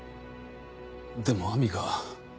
でも亜美が。